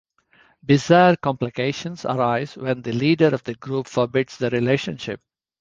Bizarre complications arise when the leader of the group forbids their relationship.